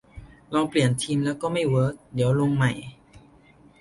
ลองเปลี่ยนธีมแล้วก็ไม่เวิร์ก เดี๋ยวลงใหม่